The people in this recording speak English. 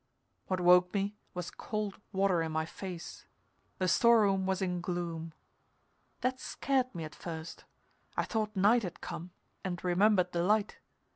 What woke me was cold water in my face. The store room was in gloom. That scared me at first; I thought night had come, and remembered the light.